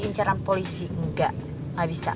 inceran polisi engga